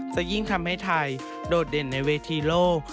จะยิ่งทำให้ไทยโดดเด่นในเวทีโลก